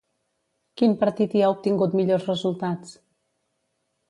Quin partit hi ha obtingut millors resultats?